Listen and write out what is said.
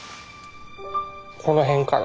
この辺かな。